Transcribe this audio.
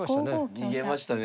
逃げましたね。